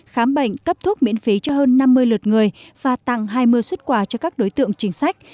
khám bệnh cấp thuốc miễn phí cho hơn năm mươi lượt người và tặng hai mươi xuất quà cho các đối tượng chính sách